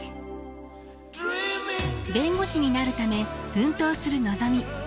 弁護士になるため奮闘するのぞみ。